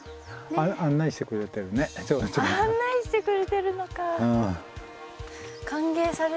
案内してくれてるのか。